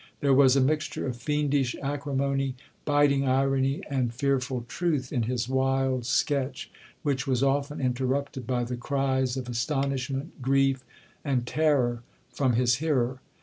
There was a mixture of fiendish acrimony, biting irony, and fearful truth, in his wild sketch, which was often interrupted by the cries of astonishment, grief, and terror, from his hearer.